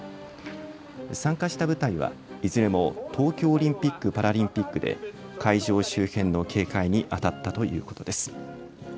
参加した部隊は、いずれも東京オリンピック・パラリンピックで会場周辺の警戒にあたったということです。